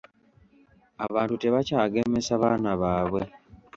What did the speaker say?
Abantu tebakyagemesa baana baabwe.